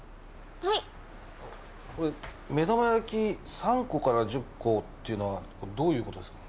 はいこれ目玉焼き３個から１０個っていうのはどういうことですか？